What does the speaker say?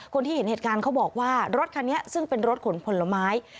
คนที่เห็นเหตุการณ์เขาบอกว่ารถคันนี้ซึ่งเป็นรถขนผลไม้